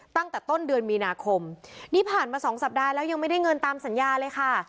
ตั้งแต่ต้นเดือนมีนาคมนี่ผ่านมาสองสัปดาห์แล้วยังไม่ได้เงินตามสัญญาเลยค่ะ